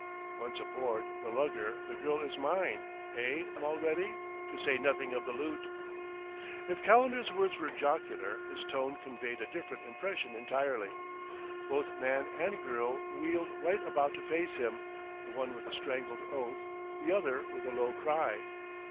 "'Once aboard the lugger the girl is mine' eh, Mulready? to say nothing of the loot!" If Calendar's words were jocular, his tone conveyed a different impression entirely. Both man and girl wheeled right about to face him, the one with a strangled oath, the other with a low cry.